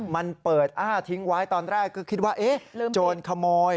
มันเปิดอ้าทิ้งไว้ตอนแรกก็คิดว่าโจรขโมย